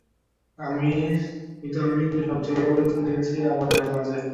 কিন্তু আমি সবচেয়ে বড় পরিবর্তন দেখেছি আমার ভাইয়ের মাঝে।